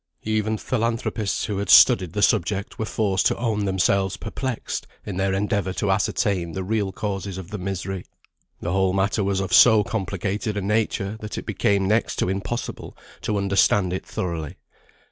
Even philanthropists who had studied the subject, were forced to own themselves perplexed in their endeavour to ascertain the real causes of the misery; the whole matter was of so complicated a nature, that it became next to impossible to understand it thoroughly.